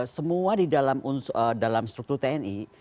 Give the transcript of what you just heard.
semua di dalam struktur tni